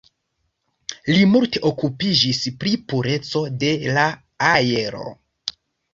Li multe okupiĝis pri pureco de la aero.